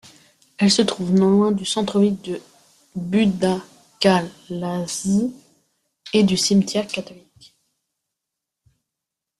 Elle se trouve non loin du centre-ville de Budakalász et du cimetière catholique.